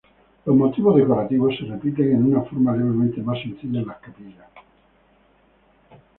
Los motivos decorativos se repiten en una forma levemente más sencilla en las capillas.